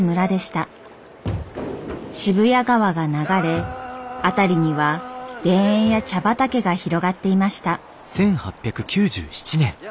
渋谷川が流れ辺りには田園や茶畑が広がっていました。